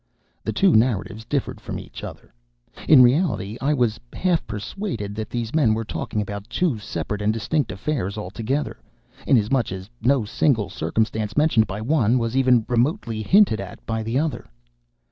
The two narratives differed from each other. In reality, I was half persuaded that these men were talking about two separate and distinct affairs altogether, inasmuch as no single circumstance mentioned by one was even remotely hinted at by the other.